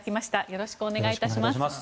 よろしくお願いします。